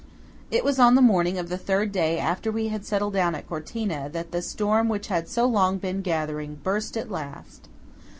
It was on the morning of the third day after we had settled down at Cortina, that the storm which had so long been gathering, burst at last.